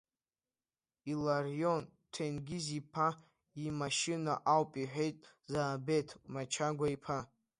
Иларион Ҭенгиз-иԥа имашьына ауп иҳәеит Заабеҭ Мачагәа-иԥа.